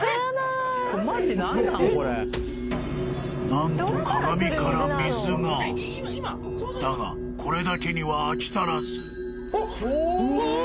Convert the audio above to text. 何と鏡から水がだがこれだけには飽き足らずおっおおー！